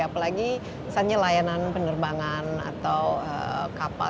apalagi misalnya layanan penerbangan atau kapal